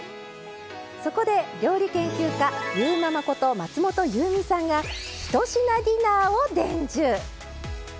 そこで料理研究家ゆーママこと松本ゆうみさんが１品ディナーを伝授。